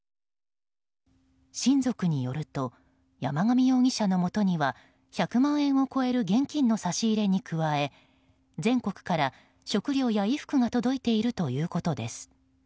親族によると山上容疑者のもとには１００万円を超える現金の差し入れに加え全国から、食料や衣服が届いているということです。